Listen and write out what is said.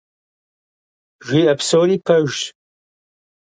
Жиӏэ псори пэжщ.